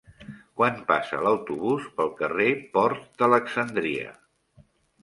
Quan passa l'autobús pel carrer Port d'Alexandria?